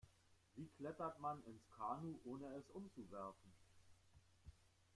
Wie klettert man ins Kanu, ohne es umzuwerfen?